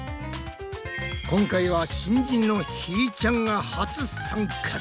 今回は新人のひーちゃんが初参加だ。